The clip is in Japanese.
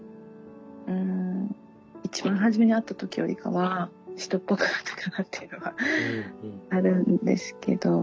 うん一番初めに会った時よりかは人っぽくなったかなっていうのはあるんですけど。